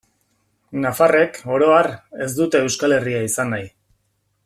Nafarrek, oro har, ez dute Euskal Herria izan nahi.